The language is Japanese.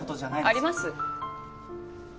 あります。